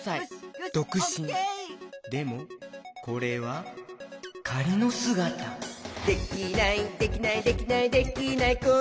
でもこれはかりのすがた「できないできないできないできない子いないか」